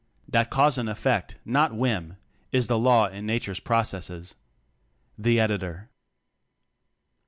That cause and effect, not whim, is the law in nature's pro cesses. Editor.